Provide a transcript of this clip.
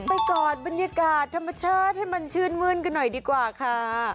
กอดบรรยากาศธรรมชาติให้มันชื่นมื้นกันหน่อยดีกว่าค่ะ